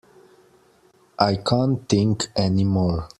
I can't think any more.